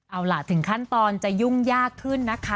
เอาล่ะถึงขั้นตอนจะยุ่งยากขึ้นนะคะ